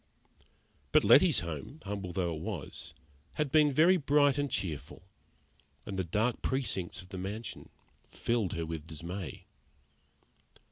But Letty's home, humble though it was, had been very bright and cheerful, and the dark precincts of the mansion filled her with dismay.